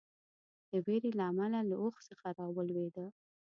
د وېرې له امله له اوښ څخه راولېده.